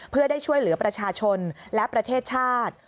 เพื่อได้ช่วยเหลือประชาชนและประเทศชาติ